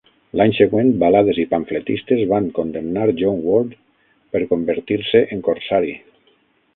L'any següent balades i pamfletistes van condemnar John Ward per convertir-se en corsari.